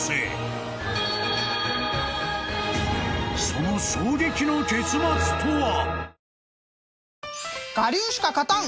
［その衝撃の結末とは］